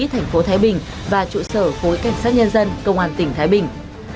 thành phố thái bình và trụ sở khối cảnh sát nhân dân công an tỉnh thái bình